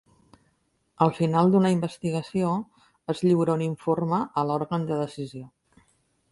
Al final d'una investigació, es lliura un informe a l'Òrgan de Decisió.